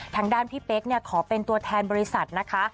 ทางด้านพี่เป๊กขอเป็นตัวแทนบริษัทนะคะ